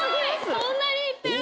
そんなにいってるんだ。